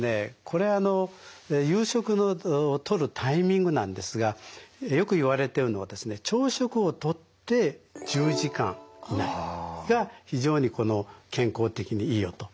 これあの夕食のとるタイミングなんですがよく言われてるのはですね朝食をとって１０時間以内が非常にこの健康的にいいよと。